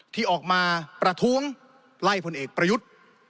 ที่ออกมาประท้วงไล่พลเอกประยุทธ์